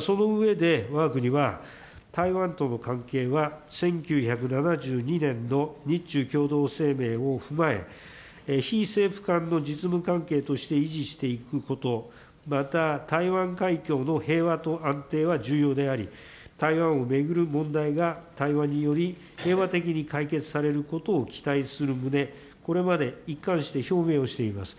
その上で、わが国は、台湾との関係は、１９７２年の日中共同声明を踏まえ、非政府間の実務関係として維持していくこと、また、台湾海峡の平和と安定は重要であり、台湾を巡る問題が対話により平和的に解決されることを期待する旨、これまで一貫して表明をしております。